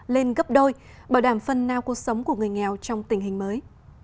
lên gấp đôi bảo đảm phân nao cuộc sống của người nghèo trong tình hình mới